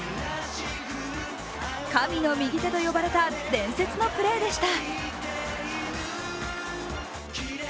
神の右手と呼ばれた伝説のプレーでした。